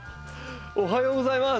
おはようございます。